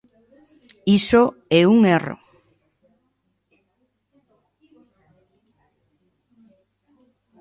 Iso é un erro.